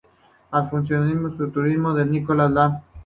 Al funcional estructuralismo, el de Niklas Luhmann.